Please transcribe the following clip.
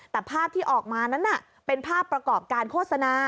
แต่ภาพที่ออกมานั้นเป็นภาพประกอบการโฆษณา